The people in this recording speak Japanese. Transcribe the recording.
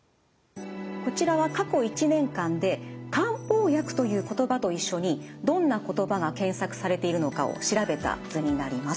こちらは過去１年間で「漢方薬」という言葉と一緒にどんな言葉が検索されているのかを調べた図になります。